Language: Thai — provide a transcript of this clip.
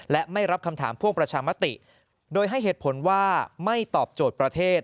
และไม่รับคำถามพ่วงประชามติโดยให้เหตุผลว่าไม่ตอบโจทย์ประเทศ